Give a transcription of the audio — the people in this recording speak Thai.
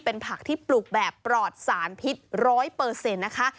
เป็นผักที่ปลูกแบบปลอดสารพิษ๑๐๐นะคะ